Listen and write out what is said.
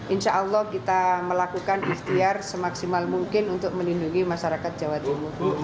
insya allah kita melakukan ikhtiar semaksimal mungkin untuk melindungi masyarakat jawa timur